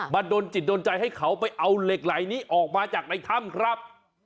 โดนจิตโดนใจให้เขาไปเอาเหล็กไหลนี้ออกมาจากในถ้ำครับ